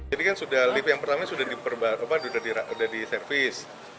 jadi kan sudah lift yang pertama sudah diservis